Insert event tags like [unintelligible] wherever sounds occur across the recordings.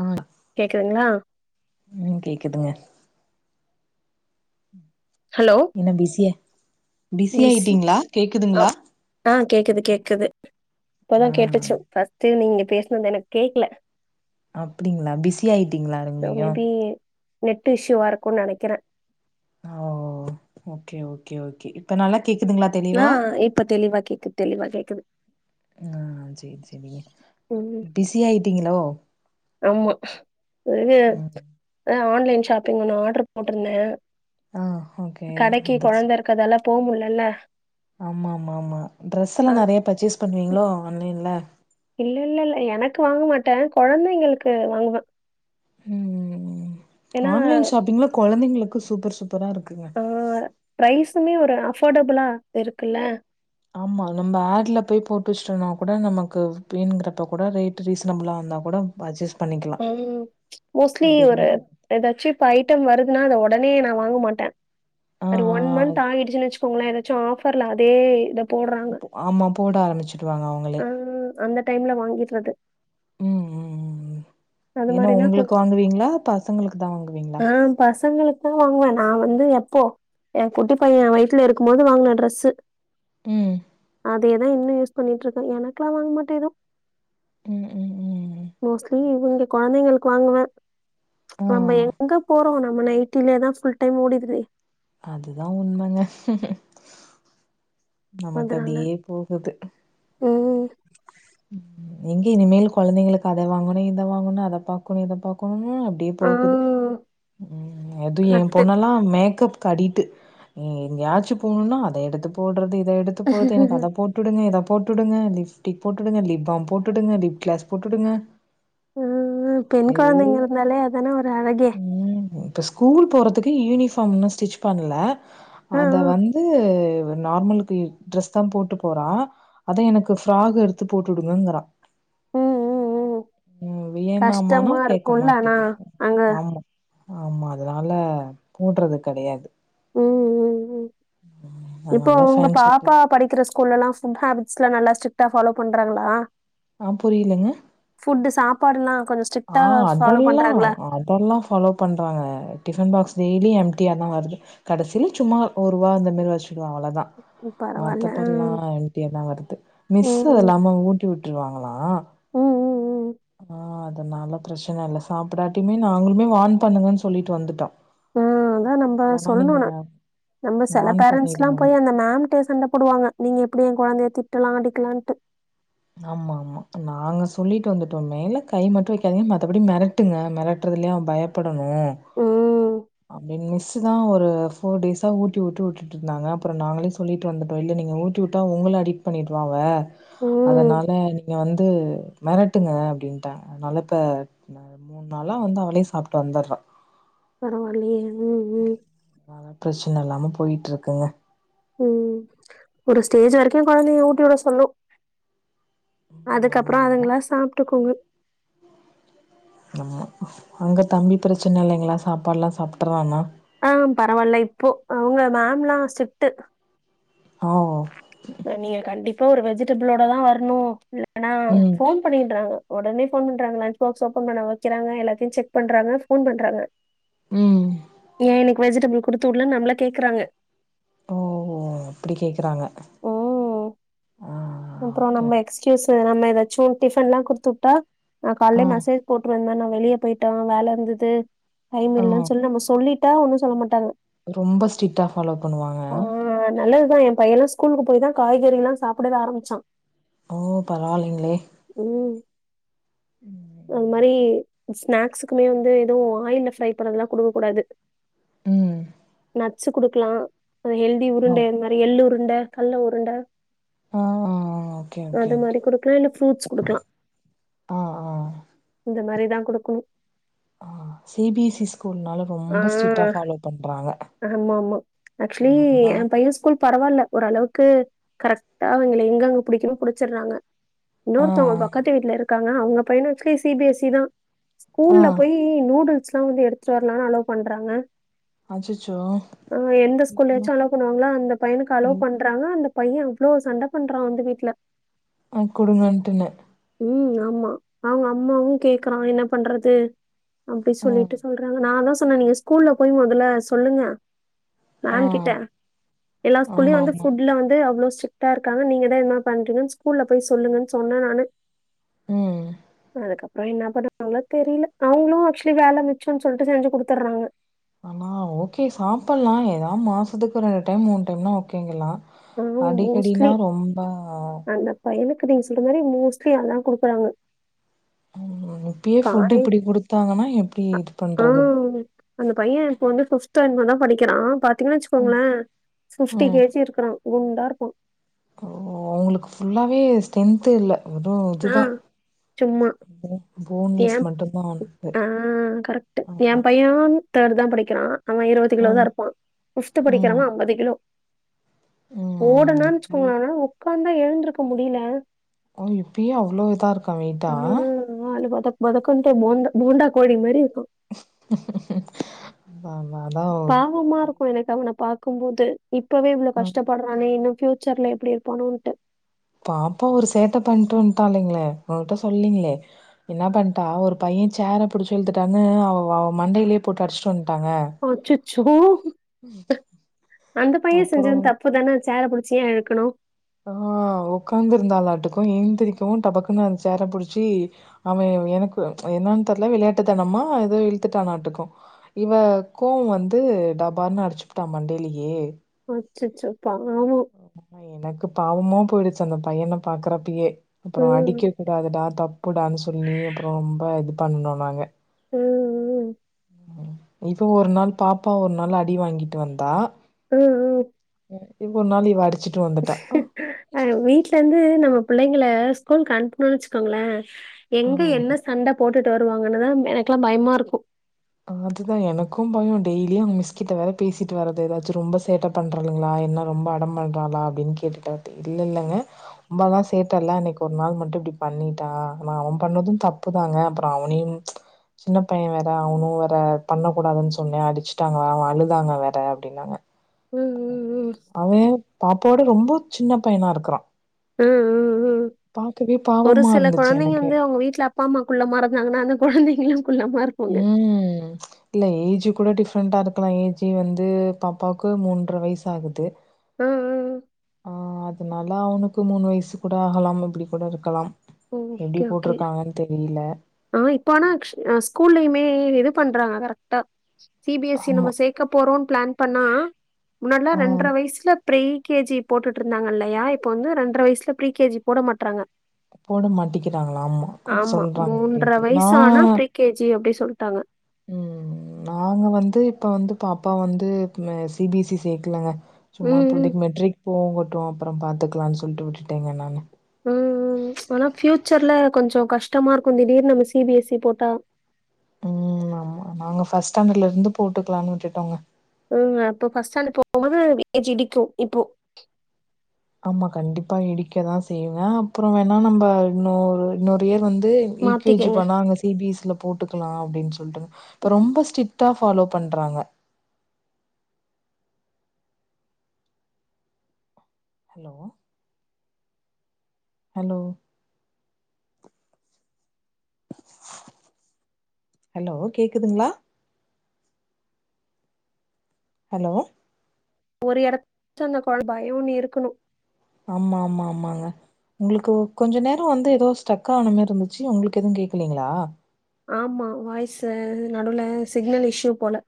ஆ கேக்குதுங்களா ம் கேக்குதுங்க ஹலோ என்ன பிஸியா? பிஸி ஆயிட்டீங்களா கேக்குதுங்களா ஆ கேக்குது கேக்குது ஆ இப்பதா கேட்டுச்சு ஃபஸ்டு நீங்க பேசுனது எனக் கேக்ல அப்டிங்ளா பிஸி ஆயிட்டீங்ளா அதுங்ளையு நெட்டு் இஷ்யூவா இருக்குன் நனைக்கிறே ஓ ஓகே ஓகே ஓகே இப்ப நல்லா கேக்குதுங்களா ஆ தெளிவா இப்ப தெளிவா கேக்கு தெளிவாகேக் ஆ சேர் சேரிங்க ம் பிஸி ஆயிட்டீங்களோ ஆமா [unintelligible] ம் அ ஆன்லைன் ஷாப்பிங் ஒன்னு ஆட்ரு போட்ருந்தே ஆ ஓகே கடக்கி கொழந்த இருக்கதால போமுல்லல்ல ஆமாமாமா ட்ரெஸ்ஸல்லா ஆ நெறைய பர்ச்சேஸ் பண்ணுவீங்ளோ ஆன்லைன்ல இல்லெல்லல்ல எனக்கு வாங்க மாட்டே கொழந்தைங்களுக்கு வாங்குவ ம் ஏன்னா ஆன்லைன் ஷாப்பிங்ல கொழந்தைங்க ளுக்கு சூப்பர் சூப் பரா இருக்குங்க மே ஒரு அஃபடபுளா இருக்குல்ல ஆமா நம்ப ஆட்ல போய் போட்டு வச்டோனா கூட நமக்கு வேணுங்குறப்ப கூட ரேட் ரீசனபிளா இருந்தா கூட அட்ஜஸ் அது மோஸ்ட்லி ஒரு தோழி எதாச்சு இப்ப ஐட்டம் வரு துனா அத ஒடனே நா வாங்க மாட்டே ஆ ஒரு ஒன் ஆ மந்த் ஆகிடுச்சுன் வச்சு ங்கள ஏதாச்சும் ஆபர்ல அதே போடுறாங்க. ஆமா போட ஆரம்பிச்சுருவாங்க அவுங்களே ஆ அந்த டைம்ல வாங்கிடுறது. ம் ம் அது ஏன்னா மாரினா உங்களுக்கு கொஞ்சம் வாங்குவீங்களா பசங்களுக்கு தான் வாங்குவீங்களா ம் வாங்குவேன் நான் வந்து எப்போ என் குட்டி பையன் என் வயித்துல இருக்கும் போது வாங்கின டிரெஸ்ஸு ம் அதேதான் இன்னும் யூஸ் பண்ணிட்டு இருக்கேன் எனக்கெல்லாம் வாங்க மாட்டேன் ஏதும் ம் ம் ம் ம் ம் இங்க குழந்தைங்களுக்கு வாங்குவன் ஆ நம்ம எங்க போறோம் நம்ம நைடிலதான் ஃபுல் டைம் ஓடிடுதே அதுதான் உண்மைங்க நமக்கு அதனால அப்டியே போகுது ம் ம் எங்க இனிமேல் குழந்தைங்களுக்கு அத வாங்கணும் இத வாங்கணும் அத பாக்கணும் இத பாக்கணும் ம் அப்டியே ஆ போகுது ம் அதுவும் என் பொன்னல்லாம் மேக்கப் கடிக்ட்டு எங்கயாச்சும் போணும்னா அதை எடுத்து போடுறது இத எடுத்து போது கரெக்ட்டு. அத போட்டுங்க இத போட்டு வுடுங்க லிப்டிக் போட்டுங்க லிப் பாம் போட்டுங்க லிப் கிளாஸ் போட்டுங்க ம் பெண் குழந்தைங்க இருந்தாலே அதானே ஒரு அழகே இப்போ ஸ்கூல் போறதுக்கு யூனிஃபார்ம் இன்னும் ஸ்டிட்ச் பண்ணல ஆ அத ஆ வந்து நார்மலுக்கு ட்ரெஸ் தான் போட்டு போறா அத எனக்கு ஃபிராக் எடுத் து போட்டு வுடுங்ககிறா ம் ம் ம் ம் வியன்னாமானா கஷ்டமா கேட்க இருக்குல்ல ஆனா மாட்டிங்கிறா அங்க ஆமா ஆமா அதனால போட்றது கெடையாது ம் ம் ம் இப்போ அதனால உங்க ஃபேண்ட் ஷர்ட்டு பாப்பா படிக்கிற ஸ்கூல்ல எல்லாம் ஃபுட் ஹேபிட்ஸ் எல்லாம் நல்லா ஸ்ட் ஃபாலோ பண்றாங்களா ஆ புரியலங்க பாடுலா ஆ அதெல்லாம் அதெல்லாம் ஃபாலோ பண்றாங்க டிபன் பாக்ஸ் டெய்லி எம்டியா தான் வருது கடைசியில சும்மா ஒரு வா அந்த மாரி வச் அவ்ளோதான் ம் பரவால்ல மத்த ஆ படில்லாம் எம்டியா தான் வருது மிஸ்ஸு ம் ம் எல்லாம ஊட்டி வுட் ட்ரு வாங்கலா ம் ம் ம் ஆ அது அதனால பிரச்சன இல்ல சாப்பிடாட்டையுமே நாங்களுமே வான் பண்ணுங்கன்னு சொல்லிட்டு வந்துட்டோ உஹம் அதான் நம்ம இல்லனா நீங்க சொல்லணும்ன ம் அதா நம்ம சொல்லுன்னு நம்ம சில வான் பேரன்ட்ஸ்ல்லா பண்ணிடுங்க போய் அந்த மேம்டே சண்ட போடுவாங்க நீங்க ப்பிடி ஏ கொழந்தைய திட்டலா அடிக்கலான்ட்டு ஆமா ஆமா நாங்க சொல்லிட்டு வந்துட்டோமேல கை மட்டு வைக்காதீங்க மத்தபடி மெரட்டுங்க மெரட்டுறதுலயே அவ பயப்பட ட்டனு ம் அப்பிடின் மிஸ்ஷூதா ஒரு ஃபோர்டேஸா ஊட்டிவுட்ட உட்டு இருந்தாங்க அப்புறோ நாங்களே சொல்லிட்டு வந்துட்டோ இல்ல நீங்க ஊட்டி விட்டா உங்கள அடிட் பண்ணிடுவா அவ ம் அதனால நீங்க வந்து மெரட் ட்டுங்க அப்பிடின்ட்டா அதனால இப்ப மூணு நாளா வந்து அவளே சாப்புட்டு வந்தறா பரவால்லையே ம் ம் ன் இல்லாம போயிட்டு இருக்குங்க ம் ஒரு ஸ்டேஜ் வரைக்கு கொழந்தைங்க ஊட்டி விட சொல்லு ம். அதுக்கப்புறோ ஆமா ஆமா. அதுங்களா சாப்புட்டுக்குங்க நம்ம அங்க தம்பி பிரச்சன இல்லைங்களா சாப்பால்லா சாப்பட்றன்ணா ஆ பரவாயில்ல இப்போ அவுங்க மேம்ல்லா சிடிரிக்ட்டு ஓ! ப்ப நீங்க கண்டிப் டோ ஒரு வெஜிடபிளோடதா வரணு ஆனா ம். ஃபோன் பண்ணிடறாங்க ஒடனே ஃபோன் பண்றாங்க லஞ்ச் பாகஸ் ஓப்பன் பண்ண வைக்கிறாங்க எல்லாத்தியு செக் பண்றாங்க ஃபோன் பண்றாங்க ம். ஏ இன்னிக் வெஜிடபுள் குடுத்துவுடல நம்மள கேக்குறாங்க ஓ ஓ அப்பிடி கேக்குறாங்க ஓ ஆ அப்புறோ ஓகே. நம்ம எக்ஸ்கயூஸ் நம்ம ஏதா ச்சு டிஃபன்ல்லா குடுத்துவுட்டா நா ஆ காலே மெசேஜ் போட்டுருவே இந்தமே நா வெளியே போயிட்டோ வேல இருந்தது டைம் ஆ இல்லன்னு சொல்லி நம்ம சொல்லிட் ட்டா ஒன்னு சொல்ல மாட்டாங்க ரொம்ப ஸ்ட்ரிட்டா ஃபாலோ பண்ணுவாங்க எம் பையன்லா ஸ்கூலுக்கு போயிதான் காய்கறிலா சாப்டவே ஆரம்பிச் சான் ஓ பரவால்ல லிங்ளே அன் மாரி ஸ்நாக்ஸுக்குமே வந்து எதுவு ஆயில்ல ஃப்ரை பண்ணதுல்லா குடுக்க கூடாது ம் நட்ஸு குடுக்லா அ ஹெல்தி ஓ உருண்ட இந்த மாரி எள் உருண் ட கல்ல உருண்ட ஆ ஆ ஓகே ஓகே அது ஓகே. மாரி குடுக்கலா இல்ல ஃபுரூட்ஸ் குடுக்கலாம் ஆ ஆ இந்த மாரி தான் குடுக்கனு ஆ சி பி எஸ் ஸி ஆ ஆமா மா ஆ அக்சுலி நா எம் பையன் ஸ்கூல் பரவால்ல ஓரளவுக்கு கரெக்டா அவங்கள எங்கங்க புடிக்கனுமோ புடிச்சற்றாங்க ஆ இன்னொருதங்க பக்கத்து வீட்ல இருக்காங்க அவுங்க பையனு actually C B S C தான் ஆ ஆ ஸ்கூல்ல போயி நூடுல்ஸ் சிலாங் வந்து எடுத்து வர அவுங்க தான அலோப் பண்றாங்க அச்சச்சோ! ஆ எந்த ஸ்கூல்ல நிஜமா யாச்சு அலோவ் பண்வாங்ளா அந்த பையனுக்கு அலோப் ம் பண்றாங்க அந்த பையன் அவ்ளோ சண்ட பண்றான் வந்து வீட்ல ஆ குடுங்கன்டுன்னு ம் ஆமா அவுங்க அம்மாவு கேக்றான் என்ன பண்றது அப்டி ஆ சொல்லிட்டு சொல் நா அதா சொன்னே நீங்க ஸ்கூல்ல போயி மெதல சொல்லுங்க ஆ மேம் கிட்ட எல்லா ஸ்கூல்லயும் ஆமா வந்து ஆமா. ஃபுட்ல வந்து அவ்ளோ ஸ்ட்டரிக்டா இருக்காங்க நீங்க தா என்னா பண்றீங்கனு ஸ்கூல்ல போயி சொல்லுங்கன் சொன்னே நானு ம். அதுகப் போயி என்ன பண்ணுவாங்ளோ தெரில அவுங்ளும் ஆக்சுவலி வேல மிச் சன்னு சொல்டு செஞ்சு குடுத்துர்றாங்க ஆனா ஓகே சாப்பலாம் ஏதா மாசத்துக்கு ரெண்டு டைம் மூணு டைம்னா ஓகேங்கலாம் ஆனா அடிக்கடினா மோஸ்ட்லி ரொம்ப கு நீ சொல்ற மாரி மோஸ்ட்லி அதுதா குடுக்குறாங்க இப்பியே ஃபுட் காலை இப்டி குடுத்தாங்கனா எப்டி இது ஆ பண்றது அந்த பைய இப்ப வந்து ஃபிப்தோ என்னமோ தா படிக்கிறா பாத் பாத்தேனு ம். வச்சுக்கோங்ளே ஃபிப்டி ம். கேஜி இருக்குறா குண்டா இருக்கு ஓ அவுங்களுக்கு ஃபுல்லாவே ஸ்ட்ரென்த்து இல்ல வெறும் ஆ இதுதான் சும்மா போன் ஏ போன்லெஸ் மட்டும்தான் அவனுக்கு. ஆ கரெக்ட்டு எ ஆமா. பையன் தேடு தா படிக்குறா அவ இருபது கிலோ தா ம். இருப்பா ஃபிவ்த் படிக்கிறவ ம். அம்பது கிலோ ம். ஓடனு எவ்ளோ வச்சுக்கோங்களே ஒக்காந்து ஆனா ஏழ்ந்திருக்க முடியல ஓ இப்பயே அவ்வளவு இதா இருக்கா வெய்ட்டா ததக்புதக்னும போண்டா கோழி மாதிரி இருக்கும் ப்ப [unintelligible] பாவமா இருக்கு எனக்கு அவன பாத்தா இக்கும்போது இப்பவே இவ்வளவு ம். கஷ்டப்படுறானேன்னு ஃபியூச்சர்ல எப்டி இருப்பானோன்ட்டு பாப்பா ஒரு சேட்ட பண்ட்டு வந்துடல்லைங்களே ஒங்கிட்ட சொல்லீங்களே என்ன பண்ட்டா ஒரு பைய சேர பிடிச்சு இழுத்துட்டானு அவ அவ மண்டையிலேயே போட்டு அடுச்சுட்டு வந்துட்ட ட்டாங்க சோ அந்த பைய செஞ்சது அப்புறம் தப்புதான சேர புடு ஏ இழுக்கனு ஆ ஒக்காந்து இருந்தாளாட்டுக்கு ஏந்திரிக்கவு டபக்குன்னு அ சேர புடிச்சி அவ எனக்கு என்னன்னு தெர்ல விளையாட்டு தனமா ஏதோ இழுத்துட்டானாட்டுக்கு இவ கோவ வந்து டபார்னு அடுச்சு புட்டா மண்டையிலயே அச்சசோ எனக்கு பாவமா போயிடுச்சு அந்த பையன பாக்குறப்பயே அப்றோ ம், அடிக்க கூடாதுடா தப்பு தப்புடான்னு சொல்லி அப்றோ ரொம்ப இது பண்ணோ நாங்க ம் உம் இப்ப ஒரு நாள் பாப்பா ஒரு நாள் அடி வாங்கிட்டு வந்தா ம் ம் ஒரு நாள் இவ அடிச்சா ஆ வீட்ல இருந்து நம்ம பிள்ளைங்கள ஸ்கூலுக்கு அனுப்புனோன்னு வச்சுக்கோங்களே எங்க ம் என்ன சண்ட போட்டுட்டு வரு வாங்கன்னுதா எனக்கெல்லா பயமா இருக்கு அதுதா எனக்கு பயோ டெய்லியு மிஸ் கிட்ட வேற பேசிட்டு வரது எதாச்சு ரொம்ப சேட்ட பண்றாளுங்களா என்ன ரொம்ப அடம் பண்றாளா அப்டின்னு கேட்டுட்ட அப்டி இல்ல இல்லங்க ரொம்பல்லா சேட்ட இல்ல அன்னக்கி ஒரு நாள் மட்டு இப்டி பண்ணிட்டா ஆனா அவன பண்ணது தப்புதாங்க அப்புறோ அவனையு சின்னப் பைய வேற அவனு வேற பண்ணக்கூடாதுன்னு சொன்னே அடிச்சுட்டாங்க அவ அழுதாங்க வேற அப்டின்னாங்க ம், ம், ம். அவே பாப்பாவ விட ரொம்ப சின்னப் பையனா இருக்கறா ம் ம் ம் ஒரு பாவமா சில இருந்துச்சு கொழந்தைங்க எனக்கே வந்து அவங்க வீட்ல அப்பா அம்மா குள்ளமா இருந்தாங்கன்னா அந்த கொழந்தை யு ம் இல்ல ஏஜு கூட டிஃப்ரெண்டா இருக்கலா ஏஜு வந்து பாப்பாவுக்கு மூன்ற வயசு ஆகுது ம், ம். ஆ அதனால அவனு க்கு மூணு வயசு கூட ஆகலாம் அப்பிடி கூட இருக்கலாம் எப்டி ஓகே ஓகே போட்டுருக்காங்கன்னு தெரியல ஆ இப்ப ஆனா க்‌ஷ் ஆ ஸ்கூல்லயுமே இது பண்றாங்க கரெக்டா சி பி எஸ் சி ஆமா. நம்ம சேக்கப் போறோன் பிளான் பண்ணா முன்னல்லா ஆ ரெண்ட்ர வயசுல ப்ரீ கே ஜி போட்டுட்ருந்தாங்க இல்லையா இப்ப வந்து ரெண்டரை வயசுல ப்ரீ கே ஜி போட மாட்றாங்க போட மாட்டிங்கிறாங்க ஆமா க ஆமா. சொல்றாங்க அப்டின் ட்டு நா வயசு ஆனா ப்ரீ கேஜி அப்டி சொல்ட்டாங்க. ம் நாங்க வந்து இப் ப வந்து பாப்பா வந்து ஆ சி பி எஸ் சி சேக்கலங்க சும்மா ம், ம். பிள்ளைக மெட்ரிக் போகட்டு அப்புறம் பாத்துக்கலான் சொல்ட்டு விட்டுட்டேங்க நானு ம் ம் ஆனா ஃபியூச்சர்ல கொஞ்சோ கஷ்டமா இருக்கு திடீர்னு நம்ம சி பி எஸ் சி போட்டா ம் ஆமா நாங்க ஃபஸ்ட் ஸ்டாண்டர்ட்ல இருந்து போட்டுக்கலான்னு விட்டுட்டோங்க ம் அப்போ ஃபர்ஸ்ட் ஸ்டாண்டர்டு போகும் போது ஏஜ் இடிக்கு இப்போ ஆமா கண்டிப்பா இடிக்கதா செய்யுங்க அப்புறோ வேண்ணா நம்ப இன்னொரு இன்னொரு இயர் வந் து யு கே ஜி மாத்திக்கங்க. பண்ணா அங்க சி பி எஸ் சி ல போட்டுக்கலா அப்டின் சொல்ட்டுங்க இப்ப ரொம்ப ஸ்ட்ரிக்டா ஃபாலோ பண்றாங்க ஹலோ ஹலோ ஹலோ கேக்குதுங்களா ஹலோ ஒரு எடத்து அந்த கொர பயோன்னு இருக்கணு ஆமா ஆமா ஆமாங்க உங்களுக்கு கொஞ்ச நேரோ வந்து ஏதோ ஸ்டக்க ஆன மாரி இருந்துச்சி உங்களுக்கு எதுவு கேக்லிங்களா ஆமா வாய்ஸ் நடுல சிக்னல் இஷ்யூ போல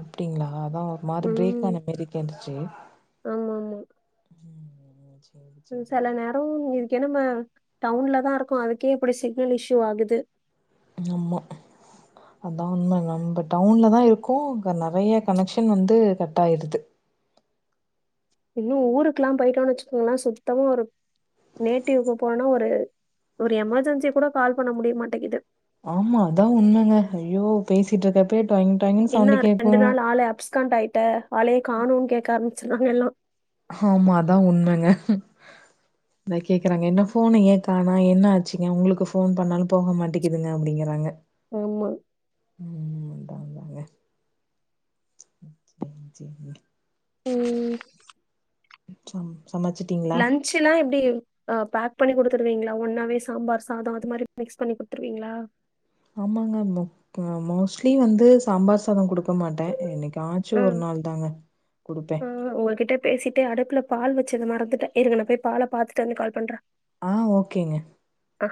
அப்பிடிங்களா அதா ஒரு மாரி பிரேக் ம். ஆன மேரி கேட்டுச்சி ம் செல நேரோ கே நம்ம டவுன்லதா இருக்கோ அதுக்கே இப்பிடி சிக்னல் இஸ்யூ ஆகுது நம்மா அதா உண்ம நம்ப டவுன்லதா இருக்கோ நெறைய கனெக்ஷன் வந்து கட் ஆயிருது இன்னு ஊருக்குல்லா போயிட்டோனு வச்சுக்கோங்கள சுத்தமா ஒரு நேட்டிவ்க்கு போன ஒரு ஒரு எமெர்ஜென்சி கூட கால் பண்ண முடிய மாட்டேங்குது ஆமா அதா உண்மங்க ஐயோ பேசிட்ருக்கப்பவே என்ன ரெண்டு நாள் ஆள அபஸ்கண்ட் ஆயிட்ட ஆலையே காணு கேக்க ஆர் ச்சிருவாங்க எல்லா ஆமா அதா உண்மங்க அதா கேக்குறாங்க என்ன ஃபோன ஏ காணா என்ன ஆச்சுங்க உங்களுக்கு ஃபோன் பண்ணாலு போக மாட்டேங்குதுங்க அப்பிடிங்கறாங்க ஆமா ஆமாங்க சேரிங்க ம் ச்சம் லஞ்சுல்லா எப்பிடி ஆ பேக் பண்ணி குடுத்துருவீங்களா ஒண்ணாவே சாம்பார் சாதோ அது மாரி மிக்ஸ் பண்ணி குடுத்துருவீங்களா ஆமாங்க முப் மோஸ்ட்லி வந்து சாம்பார் சாதோ குடுக்க மாட்டே என்னைக் ம் ம் உங்ககிட்ட பேசிட்டே அடுப்புலா பால் வச்சது மறந்துட்டே இருங்க நா போய் பால பாத்துட்டு வந்து கால் பண்ற ஆ ஓகேங்க ஆ